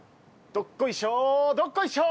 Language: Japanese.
「どっこいしょどっこいしょ」。